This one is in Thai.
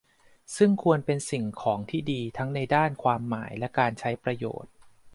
ซึ่งควรเป็นสิ่งของที่ดีทั้งในด้านความหมาย และการใช้ประโยชน์